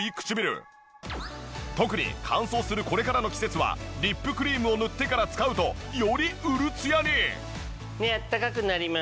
特に乾燥するこれからの季節はリップクリームを塗ってから使うとよりウルツヤに！